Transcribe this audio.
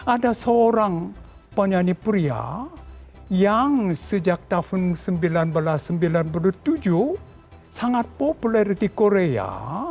ada seorang penyanyi pria yang sejak tahun seribu sembilan ratus sembilan puluh tujuh sangat populer di korea